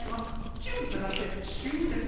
キュンじゃなくてシュンです。